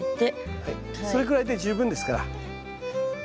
それくらいで十分ですから。